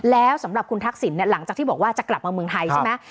แล้วสำหรับคุณทักษิณหลังจากที่บอกว่าจะกลับมาเมืองไทยใช่ไหม